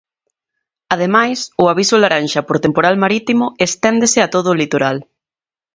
Ademais o aviso laranxa por temporal marítimo esténdese a todo o litoral.